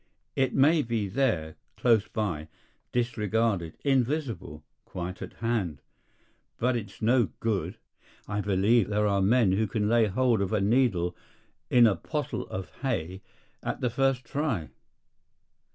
It may be there, close by, disregarded, invisible, quite at hand. But it's no good. I believe there are men who can lay hold of a needle in a pottle of hay at the first try.